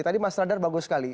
tadi mas radar bagus sekali